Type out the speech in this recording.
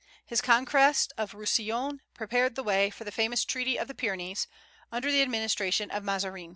His conquest of Roussillon prepared the way for the famous Treaty of the Pyrenees, under the administration of Mazarin.